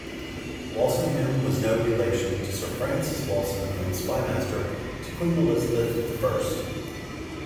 Walsingham was no relation to Sir Francis Walsingham, spymaster to Queen Elizabeth the First.